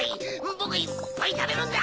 ぼくいっぱいたべるんだ！